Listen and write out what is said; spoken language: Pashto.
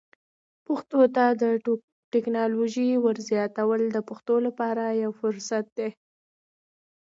پښتو ته د ټکنالوژۍ ور زیاتول د پښتنو لپاره یو فرصت دی.